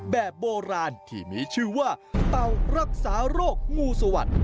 แบบโบราณที่มีชื่อว่าเต่ารักษาโรคงูสวัสดิ